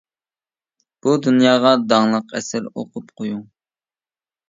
بۇ دۇنياغا داڭلىق ئەسەر ئوقۇپ قويۇڭ.